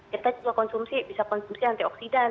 kita juga konsumsi bisa konsumsi antioksidan